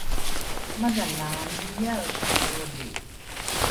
madhalaamiae ta’olroli